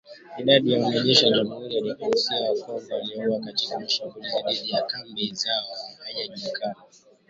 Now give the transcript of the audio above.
Idadi ya wanajeshi wa Jamhuri ya kidemokrasia ya Kongo waliouawa katika shambulizi dhidi ya kambi zao haijajulikana.